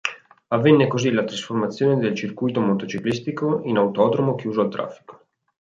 Avvenne così la trasformazione del circuito motociclistico in autodromo chiuso al traffico.